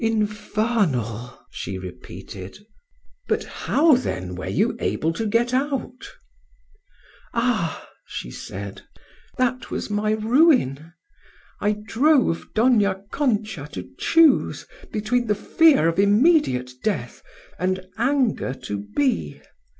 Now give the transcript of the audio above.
"Infernal," she repeated. "But how, then, were you able to get out?" "Ah!" she said, "that was my ruin. I drove Dona Concha to choose between the fear of immediate death and anger to be.